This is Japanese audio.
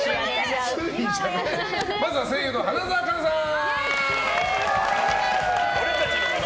まずは声優の花澤香菜さん！